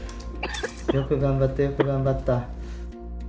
よく頑張ったよく頑張った。